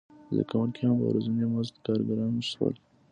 زده کوونکي هم په ورځیني مزد کارګران شول.